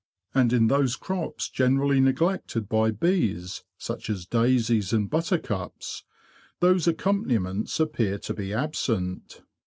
And in those crops generally neglected by POLLEN AND THE BEE 157 bees, such as daisies and buttercups, those accom paniments appear to be absent.